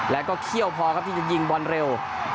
แล้วก็เขี้ยวพอครับที่จะยิงบอลเร็ว